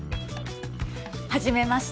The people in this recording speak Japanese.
はじめまして。